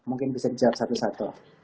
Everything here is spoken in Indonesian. mungkin bisa dijawab satu satu